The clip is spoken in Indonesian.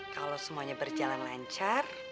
kalau semuanya berjalan lancar